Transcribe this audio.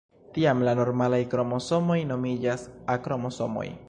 Tiam la normalaj kromosomoj nomiĝas A-kromosomoj.